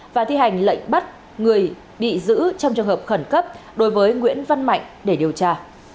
và thi hành lệnh bắt người bị giữ trong trường hợp khẩn cấp đối với nguyễn văn mạnh để điều tra